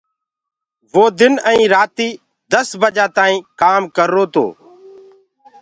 وو دن ائيٚنٚ رآتيٚ دس بجآ تآئيٚنٚ ڪآم ڪررو تو اور